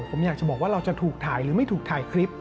ผมอยากจะบอกว่าเราจะถูกถ่ายหรือไม่ถูกถ่ายคลิป